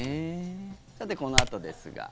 さて、このあとですが。